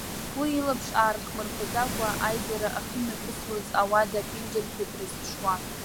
Уи, илаԥш аархмырԥаӡакәа, аизара ахьымҩаԥысуаз ауада аԥенџьырқәа дрызԥшуан.